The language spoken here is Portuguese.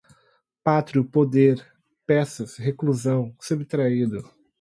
pátrio poder, peças, reclusão, subtraído